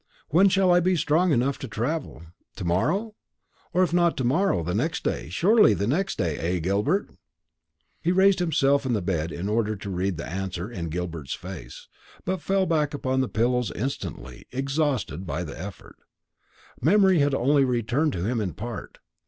When shall I be strong enough to travel? to morrow, or if not to morrow, the next day; surely the next day eh, Gilbert?" He raised himself in the bed in order to read the answer in Gilbert's face, but fell back upon the pillows instantly, exhausted by the effort. Memory had only returned to him in part.